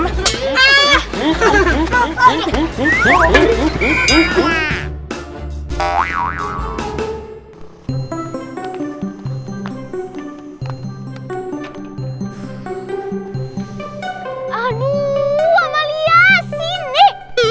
aduh ama liat sini